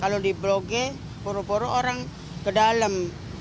kalau di blogge puru puru orang ke dalam